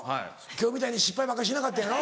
今日みたいに失敗ばっかしなかったんやろ？